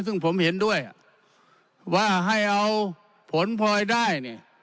ซึ่งผมเห็นด้วยว่าให้เอาผลพลอยได้เนี่ย